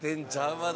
まだ。